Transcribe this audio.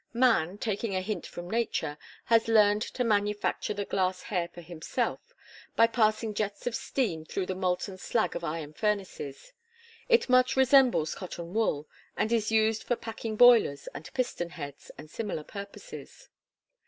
Man, taking a hint from nature, has learned to manufacture the glass hair for himself by passing jets of steam through the molten slag of iron furnaces. It much resembles cotton wool, and is used for packing boilers and piston heads, and similar purposes.